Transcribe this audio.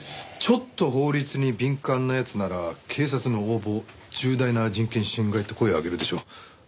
ちょっと法律に敏感な奴なら警察の横暴重大な人権侵害って声上げるでしょう。